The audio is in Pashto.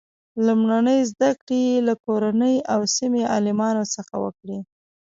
لومړنۍ زده کړې یې له کورنۍ او سیمې عالمانو څخه وکړې.